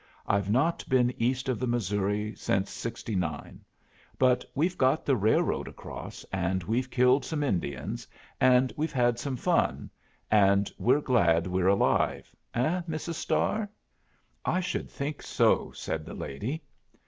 "I've not been east of the Missouri since '69. But we've got the railroad across, and we've killed some Indians, and we've had some fun, and we're glad we're alive eh, Mrs. Starr?" "I should think so," said the lady.